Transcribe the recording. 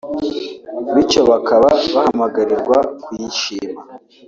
bicyo bakaba bahamagarirwa kuyishima